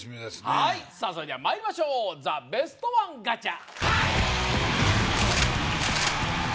はいそれではまいりましょうザ・ベストワンガチャ！